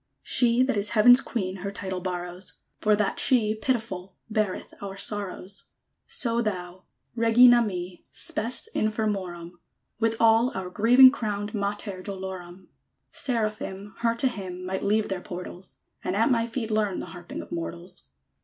_ She that is Heaven's Queen Her title borrows, For that she, pitiful, Beareth our sorrows. So thou, Regina mi, Spes infirmorum; With all our grieving crowned _Mater dolorum! Seraphim, Her to hymn, Might leave their portals; And at my feet learn The harping of mortals!